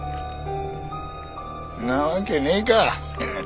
なわけねえか。